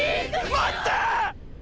待って！